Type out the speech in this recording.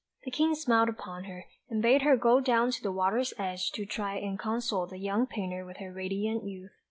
The King smiled upon her, and bade her go down to the water's edge to try and console the young painter with her radiant youth.